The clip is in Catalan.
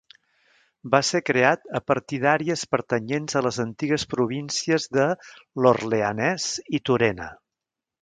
Va ser creat a partir d'àrees pertanyents a les antigues províncies de l'Orleanès i Turena.